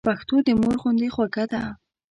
پښتو د مور غوندي خوږه ده.